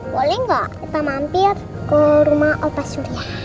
boleh gak kita mampir ke rumah opa surya